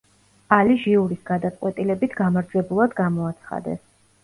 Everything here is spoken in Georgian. ალი ჟიურის გადაწყვეტილებით გამარჯვებულად გამოაცხადეს.